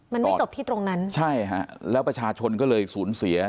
มันไม่จบที่ตรงนั้นใช่ฮะแล้วประชาชนก็เลยสูญเสีย